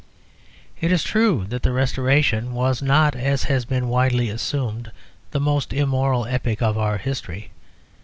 It is true that the Restoration was not, as has been widely assumed, the most immoral epoch of our history.